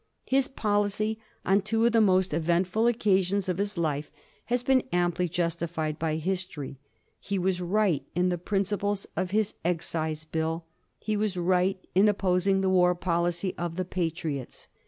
His policy on two of the most eventful occasions of his life has been amply justi fied by history. He was right in the principles of his Ex cise Bill ; he was right in opposing the war policy of the Patriots.